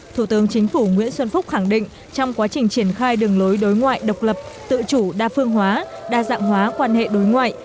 thủ tướng chính phủ nguyễn xuân phúc khẳng định trong quá trình triển khai đường lối đối ngoại độc lập tự chủ đa phương hóa đa dạng hóa quan hệ đối ngoại